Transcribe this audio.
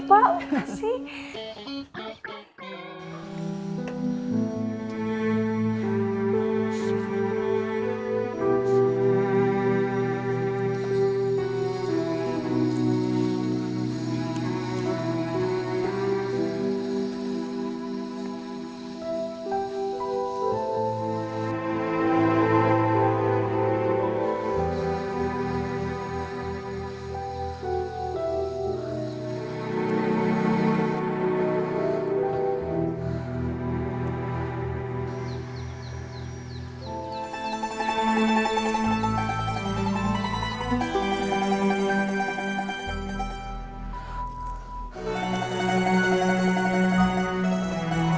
makasih ya pak